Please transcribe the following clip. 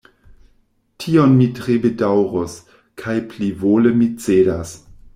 Tion mi tre bedaŭrus, kaj plivole mi cedas.